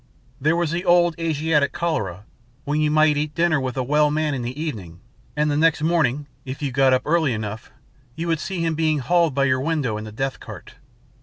There was the old Asiatic cholera, when you might eat dinner with a well man in the evening, and the next morning, if you got up early enough, you would see him being hauled by your window in the death cart.